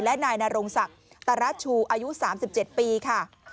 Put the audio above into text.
และนายนรงศักดิ์ตราชูอายุ๓๗ปีค่ะ